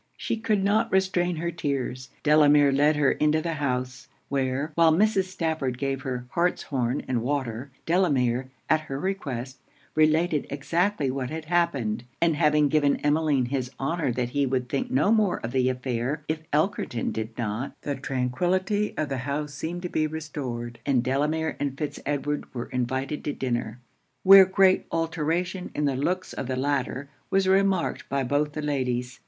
She could not restrain her tears. Delamere led her into the house; where, while Mrs. Stafford gave her hartshorn and water, Delamere, at her request, related exactly what had happened: and having given Emmeline his honour that he would think no more of the affair if Elkerton did not, the tranquillity of the house seemed to be restored, and Delamere and Fitz Edward were invited to dinner; where great alteration in the looks of the latter, was remarked by both the ladies.